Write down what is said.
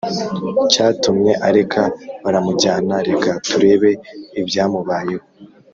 Cyatumye areka baramujyana reka turebe ibyamubayeho